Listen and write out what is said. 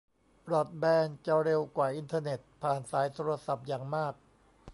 บรอดแบนด์จะเร็วกว่าอินเทอร์เน็ตผ่านสายโทรศัพท์อย่างมาก